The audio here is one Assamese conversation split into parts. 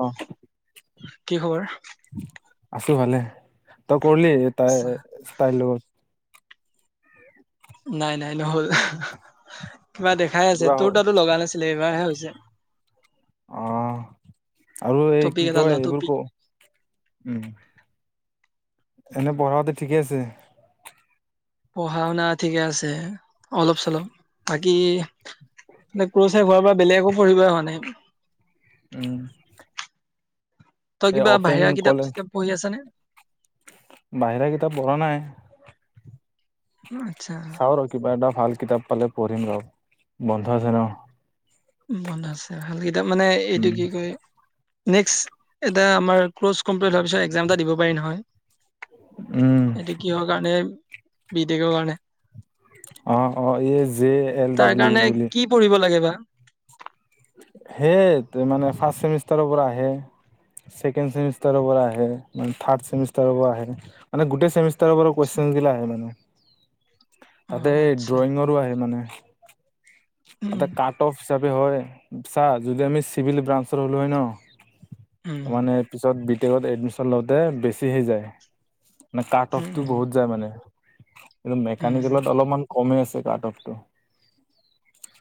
অ কি খবৰ? আছো ভালে, তই কৰলি তাই তাইৰ লগত। নাই নাই নহ'ল, কিবা দেখাই আছে কিবা তোৰ হ'ল? তাতো লগা নাছিলে এইবাৰহে হৈছে। অ', আৰু এই টপিক কি এটা ল কয় এইবোৰ টপিক ক' উম। এনে পঢ়াতে ঠিকে আছে। পঢ়া শুনা ঠিকে আছে অলপ চলপ। কি মেইন কৌচে কৰিবা বেলেগো পঢ়িবই হোৱা নাই। উম। তই এই কিবা অপেন বাহিৰা কিতাপ কলেজ চিতাপ পঢ়ি আছ নে? বাহিৰা কিতাপ পঢ়া নাই। আচ্ছা। চাও ৰ কিবা এটা ভাল কিতাপ পালে পঢ়িম ৰ বন্ধ আছে ন। বন্ধ আছে ভাল কিতাপ মানে এইটো উম কি কয় নেক্সট এটা আমাৰ ক্ল কম্লিট হোৱাৰ পিছত একজাম এটা দিব পাৰি নহয়। উম এইটো কিহৰ কাৰণে বি টেকৰ কাৰণে। অ', অ', এই যে তাৰ কাৰণে কি পঢ়িব লাগে বা? সেই মানে ফাৰ্ষ্ট চেমিষ্টাৰৰ পৰা আহে। ছেকেডমষ্টাৰৰ পৰা আহে থাৰ্ডমিষ্টাৰৰ পৰা আহে মানে গোটে চেমিষ্টাৰ চেমিষ্টাৰৰ পৰা আচ্ছা, কুৱেশ্যনবোৰ আহে মানে অ তাতে আচ্ছা ড্ৰয়িঙৰো আহে মানে। উম তাত কাট অফ হিচাপে হয়। চা যদি আমি চিভিল ব্ৰাঞ্চৰ হলো হয় ন তাৰ উম মানে পিছত ত এডমিচন লওঁতে বেছি হ যায় মানে কাট উম উম অফটো উম বহুত যায় মানে কিন্ত উম মেকানিকেলত অলপমান কমেই আছে কাট অফটো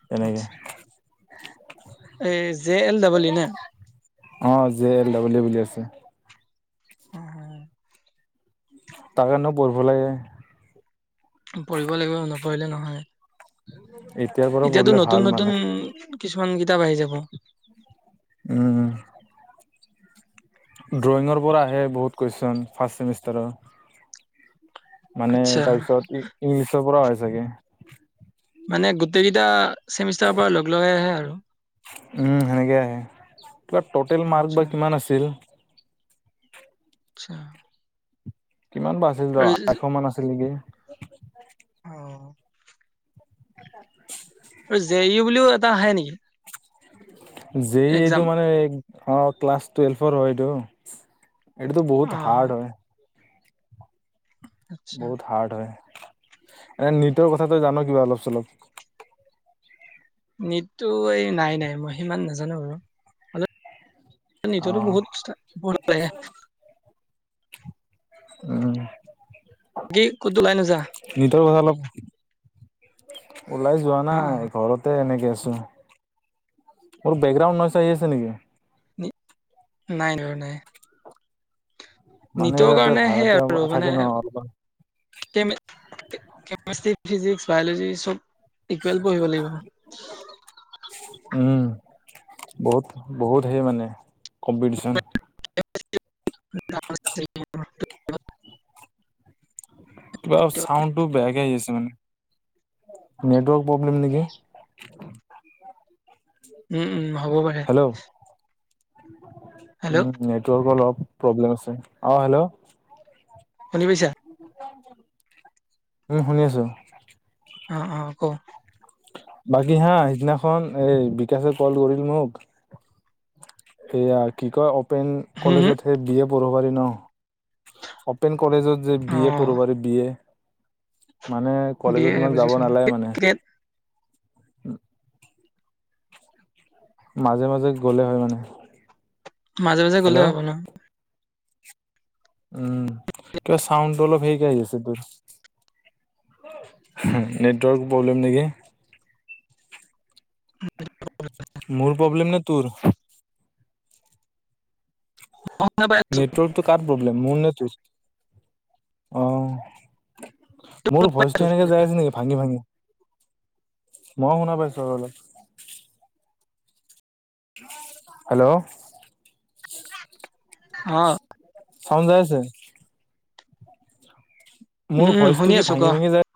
তেনেকে [inaudible] এই জে এল ডাবল ই নে অঁ জে এল ডাব্লিউ বুলি আছে উ হু তাৰ কাৰনেও পঢ়িব লাগে পঢ়িব লাগিব নপঢ়িলে নহয় এতিয়াৰ পৰা এতিয়াতো পঢ়িলে নতুন ভাল নতুন মানে কিছুমান কিতাপ আহি যাব উম ড্ৰয়িঙৰ পৰা আহে বহুত কুৱেশ্যন ফাৰ্ষ্ট চেমিষ্টাৰৰ মানে আচ্ছা তাৰ পিছত ইংলিছৰ পৰা হয় চাগে মানে গোটেই কেইটা চেমিষ্টাৰৰ পৰা লগ লগাই আহে আৰু উম সেনেকে আহে টটেল মাৰ্ক আচ্ছা বা কিমান আছিল আচ্ছা কিমান বা আছিল ৰ আৰু আশ মান আছিল নেকি অ [unintelligible] আৰু জে ইউ বুলিও এটা আহে নেকি যেই এইটো এক্সাম? মানে অ ক্লাছ টুৱেলভৰ হয় এইটো এইটোটো বহুত হাৰ্ড অ'। হয় আচ্ছা বহুত হাৰ্ড হয় এনে নিটৰ কথাটো জান কিবা অলপ চলপ নীটটো এই নাই নাই মই সিমান নাজানো আৰু অ নিটো বহুত পঢ়িব লাগে উম কি ক'তো ওলাই নাজা নিতৰ কথা অলপ ওলাই যোৱা অ', অ'। নাই ঘৰত এনেকে আছো মোৰ বেকগ্ৰাৰাউণ্ড নাচ আহি আছে নেকি নাই নাই নাই মানে নিতৰ ইয়াতে কাৰণে সেইয়া ভাড়াতীয়া আৰু থাকে মানে ন অলপমান কেমেষ্ট্ৰি ফিজিক্স বায়লজি চব ইকুৱেল পঢ়িব লাগিব উ [inaudible] উম বহুত বহুত সেই মানে কম্পিটিচন টেগ অ কিবা চাউণ্ডটো বেয়াকে আহি আছে মানে নেটৱৰ্ক প্ৰব্লেম নেকি উম উম হ'ব পাৰে হেল্ল' উম নেটৰ্কৰ অলপ প্ৰব্লেম আছে অ হেল্ল' শুনি পাইছা উম শুনি আছো অ অ ক বাকী হা সিদিনাখন এই বিকাশে কল কৰিল মোক সেয়া কি কয় অপেন হুম, হুম, কলেজত সেই বি এ পঢ়িব পাৰি ন অপেন কলেজত যে বি এ অ'। পঢ়িব পাৰি বি এ মানে বি কলেজত এ ইমান যাব বুজিছো নালাগে মানে মাজে মাজে গ'লে হয় মানে মাজে মাজে গ'লে হেল্ল' হ'ব ন উম কিবা চাউণ্ডটো অলপ হেৰিকে আহি আছে তোৰ নেটৱৰ্ক প্ৰব্লেম নেকি মোৰ প্ৰব্লেম নে তোৰ। [unintelligible] নেটৱৰ্কটো কাৰ প্ৰব্লেম মোৰ নে তোৰ। অ'। মোৰো ভইচটো এনেকে যাই আছে নেকি ভাঙি ভাঙি। মই শুনা পাইছোঁ আৰু অলপ। হেল্ল'। অ'। চাউণ্ড যাই আছে। উম, মোৰ উম, শুনি ভইচটো কি আছো ক। ভাঙি ভাঙি যায়